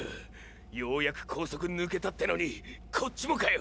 ようやく高速抜けたってのにこっちもかよ！